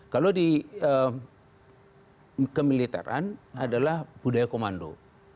kalau di kemiliteran adalah budaya komando